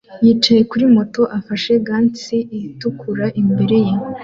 yicaye kuri moto afashe gants itukura imbere ye.